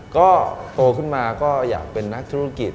ก็โตขึ้นมาก็อยากเป็นนักธุรกิจ